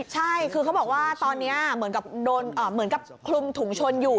ใช่คือเขาบอกว่าตอนนี้เหมือนกับคลุมถุงชนอยู่